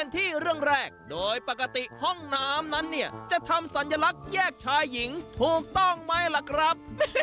ถูกต้องมั้ยล่ะครับ